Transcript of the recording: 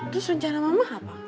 terus rencana mama apa